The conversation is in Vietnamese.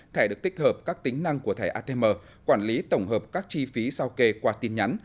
thẻ được tích hợp các tính năng của thẻ atm quản lý tổng hợp các chi phí sau kê qua tin nhắn